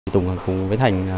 tùng với thành